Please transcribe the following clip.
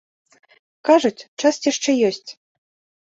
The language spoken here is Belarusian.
Кажуць, час яшчэ ёсць.